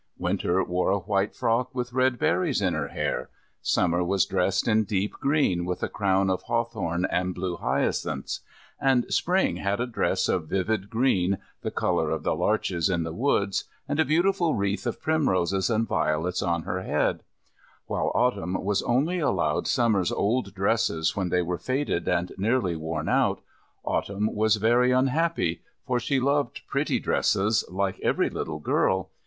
Winter wore a white frock with red berries in her hair; Summer was dressed in deep green, with a crown of hawthorn and blue hyacinths; and Spring had a dress of vivid green, the colour of the larches in the woods, and a beautiful wreath of primroses and violets on her head; while Autumn was only allowed Summer's old dresses when they were faded and nearly worn out Autumn was very unhappy, for she loved pretty dresses like every little girl.